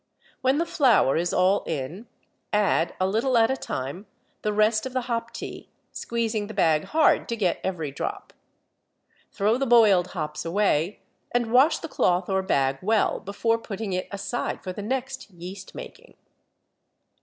When the flour is all in, add, a little at a time, the rest of the hop tea, squeezing the bag hard to get every drop. Throw the boiled hops away, and wash the cloth or bag well before putting it aside for the next yeast making.